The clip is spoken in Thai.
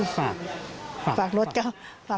ฝากรถเขาฝากรถเขา